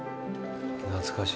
懐かしい。